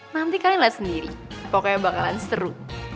nanti kalian lihat sendiri pokoknya bakalan seru